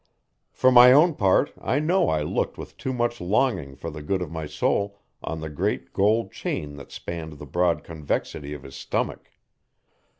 For my own part I know I looked with too much longing for the good of my soul on the great gold chain that spanned the broad convexity of his stomach.